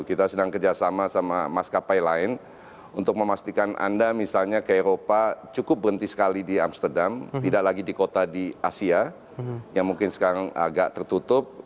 kita sedang kerjasama sama maskapai lain untuk memastikan anda misalnya ke eropa cukup berhenti sekali di amsterdam tidak lagi di kota di asia yang mungkin sekarang agak tertutup